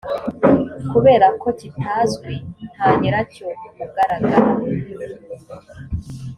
kubera ko kitazwi nta nyiracyo ugaragara